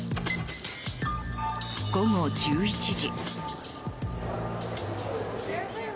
午後１１時。